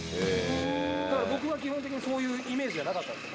だから僕は基本的にそういうイメージはなかったんですよ。